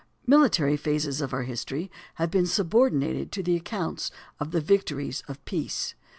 "Military phases of our history ... have been subordinated to the accounts of the victories of peace."